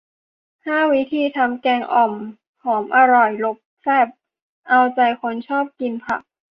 ห้า วิธีทำแกงอ่อม หอมอร่อยรสแซ่บเอาใจคนชอบกินผัก